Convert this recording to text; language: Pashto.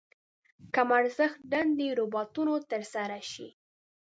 کم ارزښت دندې روباټونو تر سره شي.